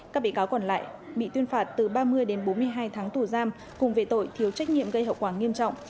các bị cáo còn lại bị tuyên phạt từ ba mươi đến bốn mươi hai tháng tù giam cùng về tội thiếu trách nhiệm gây hậu quả nghiêm trọng